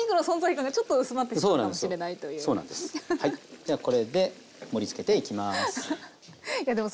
じゃあこれで盛りつけていきます。